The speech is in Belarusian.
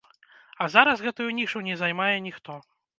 А зараз гэтую нішу не займае ніхто.